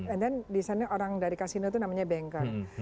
and then desainnya orang dari kasino itu namanya banker